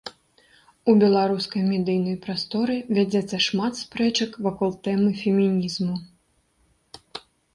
У беларускай медыйнай прасторы вядзецца шмат спрэчак вакол тэмы фемінізму.